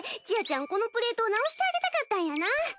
ちあちゃんこのプレートを直してあげたかったんやな。